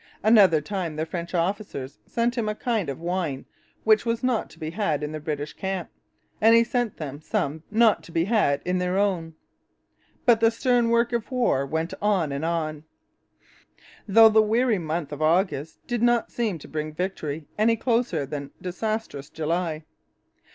Another time the French officers sent him a kind of wine which was not to be had in the British camp, and he sent them some not to be had in their own. But the stern work of war went on and on, though the weary month of August did not seem to bring victory any closer than disastrous July.